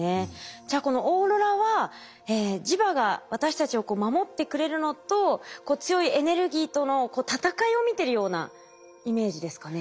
じゃあこのオーロラは磁場が私たちを守ってくれるのと強いエネルギーとの闘いを見てるようなイメージですかね。